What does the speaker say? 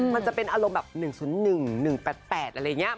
มันจะเป็นกันอารมณ์แบบ๑๐๑๑๘๘